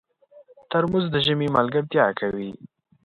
ترموز د ژمي ملګرتیا کوي.